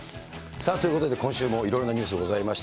さあ、ということで、今週もいろんなニュースがありました。